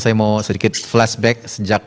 saya mau sedikit flashback sejak